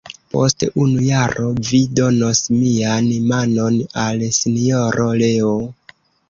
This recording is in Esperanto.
Post unu jaro vi donos mian manon al Sinjoro Leo?